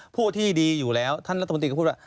ผู้ที่ดีอยู่แล้วท่านรัฐมนตรีก็พูดว่า